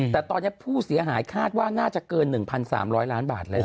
แต่ตอนนี้ผู้เสียหายคาดว่าน่าจะเกิน๑๓๐๐ล้านบาทแล้ว